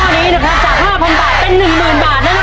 นี้เนี่ยพันธุ์จากห้าพรรณบาทเป็นหนึ่งหมื่นบาทนะครับ